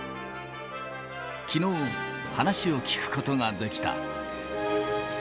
きのう、話を聞くことができた。